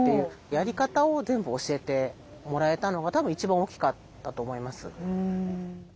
やり方を全部教えてもらえたのが多分一番大きかったと思います。